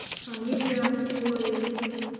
Фамилиям Ҡулыев.